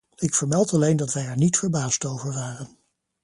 Ik vermeld alleen dat wij er niet verbaasd over waren.